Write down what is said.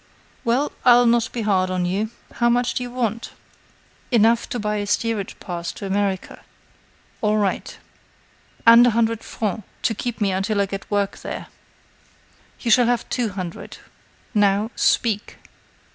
Well, I'll not be hard on you. How much do you want?" "Enough to buy a steerage pass to America." "All right." "And a hundred francs to keep me until I get work there." "You shall have two hundred. Now, speak."